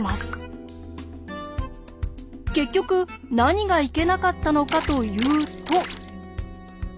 結局何がいけなかったのかというと。